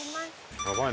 やばい。